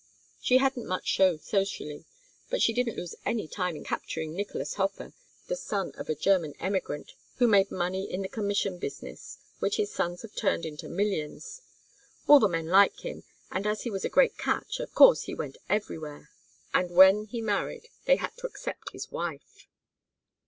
She hadn't much show socially, but she didn't lose any time capturing Nicolas Hofer, the son of a German emigrant, who made money in the commission business which his sons have turned into millions. All the men like him, and as he was a great catch, of course he went everywhere; and when he married they had to accept his wife.